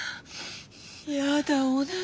やだ同じ。